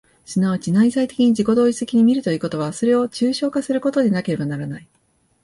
即ち内在的に自己同一的に見るということは、それを抽象化することでなければならない。